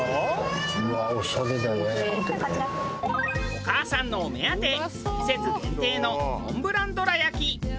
お母さんのお目当て季節限定のモンブランどら焼き。